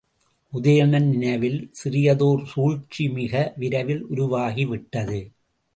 உதயணன் நினைவில் சிறியதோர் சூழ்ச்சி மிக விரைவில் உருவாகி விட்டது.